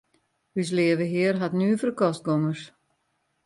Us Leave Hear hat nuvere kostgongers.